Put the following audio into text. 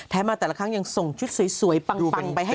มาแต่ละครั้งยังส่งชุดสวยปังไปให้